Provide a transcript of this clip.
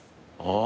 ああ。